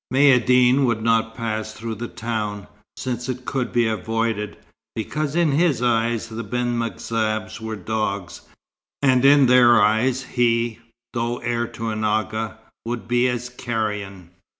Maïeddine would not pass through the town, since it could be avoided, because in his eyes the Beni M'Zab were dogs, and in their eyes he, though heir to an agha, would be as carrion.